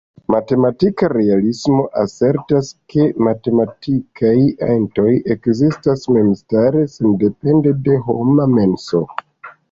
Matematika realismo asertas, ke matematikaj entoj ekzistas memstare, sendepende de homa menso.